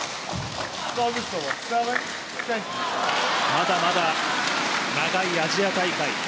まだまだ長いアジア大会。